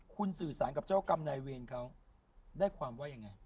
คุณสื่อสารกับเจ้ากรรมนายเวรเขาได้ความว่ายังไง